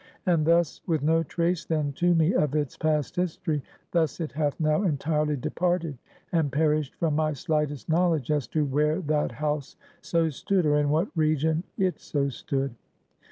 And thus, with no trace then to me of its past history, thus it hath now entirely departed and perished from my slightest knowledge as to where that house so stood, or in what region it so stood.